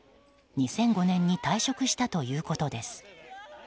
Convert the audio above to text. ２００５年に退職したということです。